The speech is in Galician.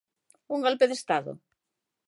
Un golpe de estado?